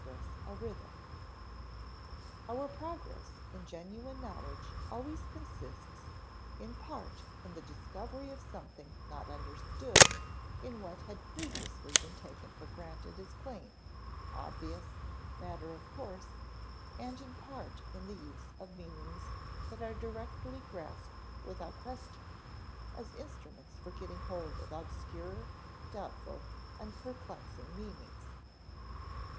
[Sidenote: Intellectual progress a rhythm] Our progress in genuine knowledge always consists _in part in the discovery of something not understood in what had previously been taken for granted as plain, obvious, matter of course, and in part in the use of meanings that are directly grasped without question, as instruments for getting hold of obscure, doubtful, and perplexing meanings_.